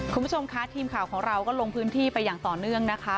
คุณผู้ชมคะทีมข่าวของเราก็ลงพื้นที่ไปอย่างต่อเนื่องนะคะ